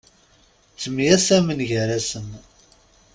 Ttemyasamen gar-asen.